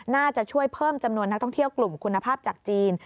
น่าจะช่วยเพิ่มจำนวนนักท่องเที่ยวกลุ่มคุณภาพจากจีน